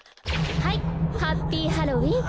はいハッピーハロウィン！